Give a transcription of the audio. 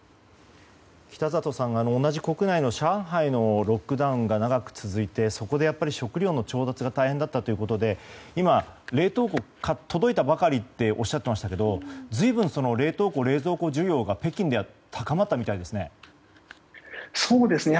北里さん同じ国内の上海のロックダウンが長く続いてそこでは食料の調達が大変だったということで今、冷凍庫が届いたばかりとおっしゃっていましたけど随分、冷凍庫や冷蔵庫需要が北京では高まったそうですね。